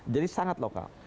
jadi sangat lokal